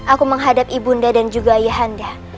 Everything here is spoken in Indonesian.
aku menghadap ibu unda dan juga ayah anda